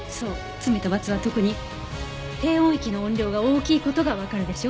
『罪と罰』は特に低音域の音量が大きい事がわかるでしょ？